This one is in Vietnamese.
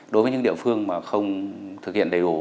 đối với những địa phương mà không thực hiện đầy đủ